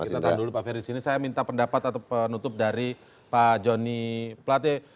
kita tahan dulu pak ferry sini saya minta pendapat atau penutup dari pak joni plate